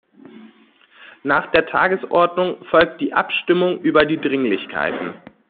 Nach der Tagesordnung folgt die Abstimmung über die Dringlichkeiten.